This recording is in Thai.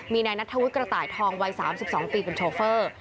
มีนายนัทธวุฒิกระต่ายทองวัย๓๒ปีเป็นโชเฟอร์